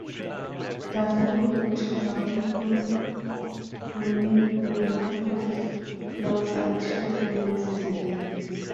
Thus new wood resulting from pruning will not produce flowers until the following season.